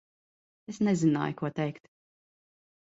Es nezināju, ko teikt.